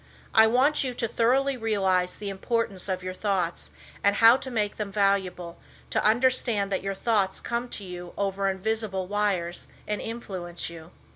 I want you to thoroughly realize the importance of your thoughts, and how to make them valuable, to understand that your thoughts come to you over invisible wires and influence you.